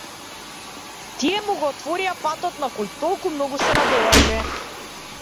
Тие му го отворија патот на кој толку многу се надеваше.